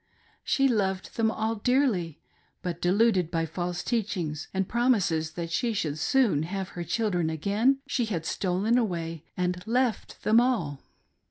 She loved them all dearly, but deluded by false teach ings, and promises that she should soon have her children again, she had stolen away and left them all.